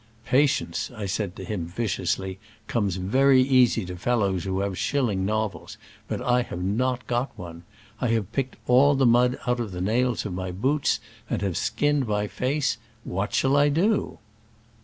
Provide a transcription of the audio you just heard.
Patience," I said to him viciously,. comes very easy to fellows who have shilling novels, but I have not got one. I have picked all the mud out of the nails of my boots, and have skinned my face : what shall I do